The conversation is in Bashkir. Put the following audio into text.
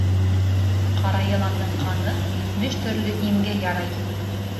Ҡара йыландың ҡаны етмеш төрлө имгә ярай.